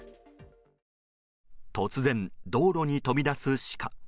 突然、道路に飛び出すシカ。